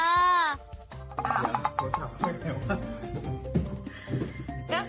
คุณผู้ชมไปไหนวะ